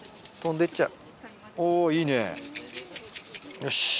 よし。